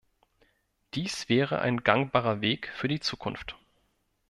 Dies wäre ein gangbarer Weg für die Zukunft.